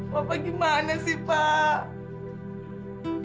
bapak gimana sih pak